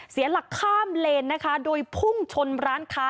เสียหลักข้ามเลนนะคะโดยพุ่งชนร้านค้า